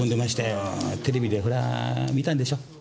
テレビでほら見たんでしょ。